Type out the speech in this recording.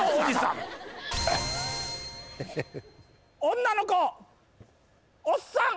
女の子おっさん